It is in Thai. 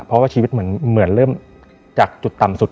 เพราะว่าชีวิตเหมือนเริ่มจากจุดต่ำสุด